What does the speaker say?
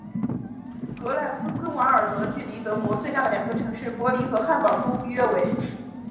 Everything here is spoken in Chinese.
格赖夫斯瓦尔德距离德国最大的两个城市柏林和汉堡都约为。